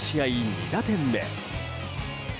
２打点目。